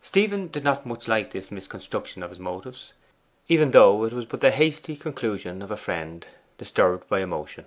Stephen did not much like this misconstruction of his motives, even though it was but the hasty conclusion of a friend disturbed by emotion.